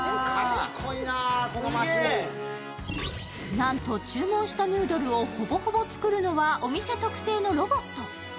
なんと注文したヌードルをほぼほぼ作るのはお店特製のロボット。